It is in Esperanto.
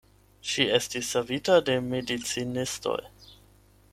Ŝi estis savita de medicinistoj.